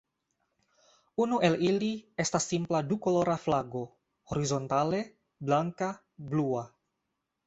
Unu el ili estas simpla dukolora flago horizontale blanka-blua.